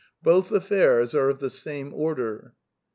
Both affairs are of the same order.